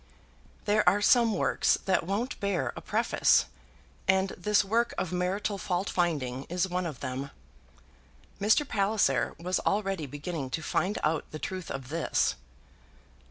There are some works that won't bear a preface, and this work of marital fault finding is one of them. Mr. Palliser was already beginning to find out the truth of this.